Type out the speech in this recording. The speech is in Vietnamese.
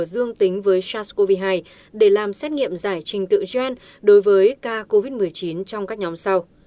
dương tính với sars cov hai để làm xét nghiệm giải trình tự gen đối với ca covid một mươi chín trong các nhóm sau